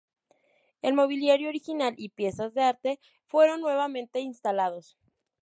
El mobiliario original y piezas de arte fueron nuevamente instalados.